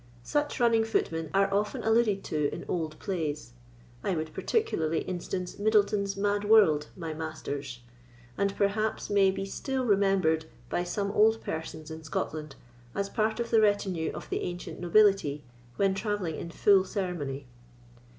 Such running footmen are often alluded to in old plays (I would particularly instance Middleton's Mad World, my Masters), and perhaps may be still remembered by some old persons in Scotland, as part of the retinue of the ancient nobility when travelling in full ceremony.